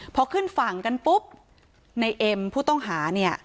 พอขึ้นฝั่งกันปุ๊บในเอ็มผู้ต้องหาเนี่ย